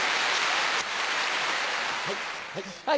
はい！